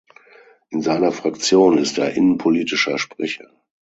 In seiner Fraktion ist er innenpolitischer Sprecher.